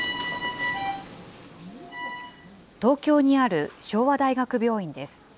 東京にある昭和大学病院です。